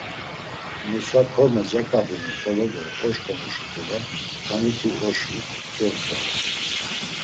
Musa korme caǩabinu xolo do oşǩomu şuǩule taniti oşu, keoǩoru.